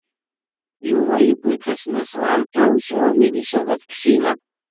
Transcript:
Yuba yewwi-d tasnasɣalt-a sɣur Milisa n At Ksila.